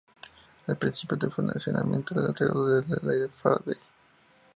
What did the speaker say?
El principio de funcionamiento del alternador es la Ley de Faraday.